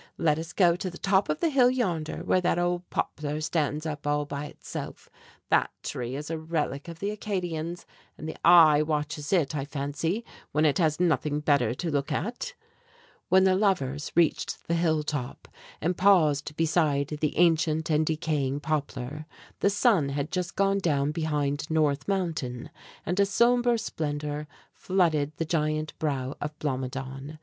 Let us go to the top of the hill yonder, where that old poplar stands up all by itself. That tree is a relic of the Acadians, and the 'Eye' watches it, I fancy, when it has nothing better to look at!" When the lovers reached the hill top and paused beside the ancient and decaying poplar, the sun had just gone down behind North Mountain, and a sombre splendor flooded the giant brow of Blomidon.